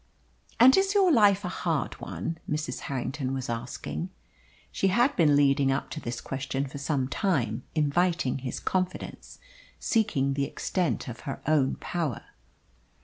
"And is your life a hard one?" Mrs. Harrington was asking. She had been leading up to this question for some time inviting his confidence, seeking the extent of her own power.